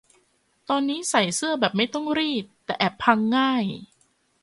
ตอนนี้ใส่เสื้อแบบไม่ต้องรีด แต่แอบพังง่าย